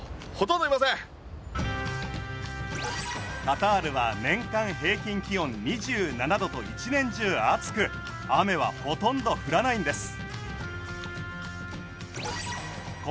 カタールは年間平均気温２７度と一年中暑く雨はほとんど降らないんです。